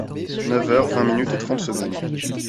Neuf heures vingt minutes et trente secondes.